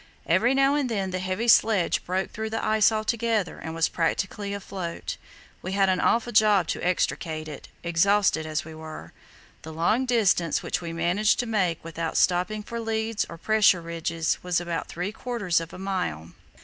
Every now and then the heavy sledge broke through the ice altogether and was practically afloat. We had an awful job to extricate it, exhausted as we were. The longest distance which we managed to make without stopping for leads or pressure ridges was about three quarters of a mile.